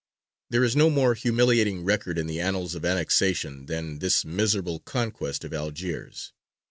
There is no more humiliating record in the annals of annexation than this miserable conquest of Algiers.